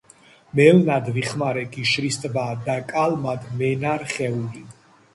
მელნად ვიხმარე გიშრის ტბა და კალმად მე ნა რხეული